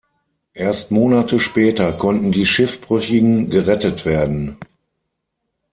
Erst Monate später konnten die Schiffbrüchigen gerettet werden.